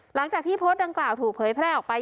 หลังจากที่โพสต์ดังกล่าวถูกเผยแพร่ออกไป